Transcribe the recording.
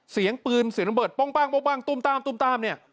เสียงปืนเสียงน้ำเบิร์ดป้องป้างตุ้มต้ามตุ้มต้าม